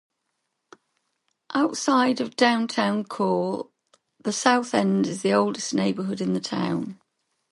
Outside of Downtown core, the South End is the oldest neighbourhood in the town.